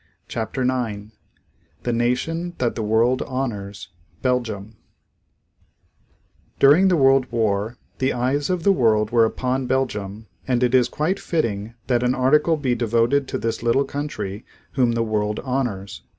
CHAPTER IX THE NATION THAT THE WORLD HONORS BELGIUM During the world war the eyes of the world were upon Belgium and it is quite fitting that an article be devoted to this little country whom the world honors.